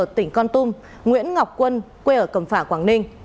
năm bị can là đỗ ngọc hà phạm văn hưng nguyễn ngọc quân quê ở cầm phả quảng ninh